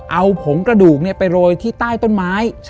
เอาผงกระดูกไปโรยที่ใต้ต้นไม้